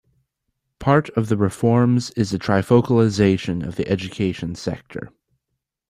Part of the reforms is the trifocalization of the education sector.